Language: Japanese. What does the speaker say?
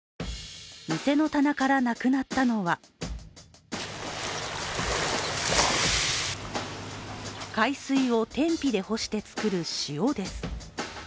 店の棚からなくなったのは海水を天日で干して作る塩です。